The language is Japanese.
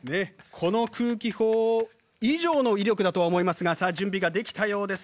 この空気砲以上の威力だとは思いますがさあ準備ができたようです。